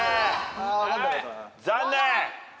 残念！